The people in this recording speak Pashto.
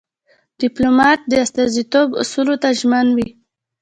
ډيپلومات د استازیتوب اصولو ته ژمن وي.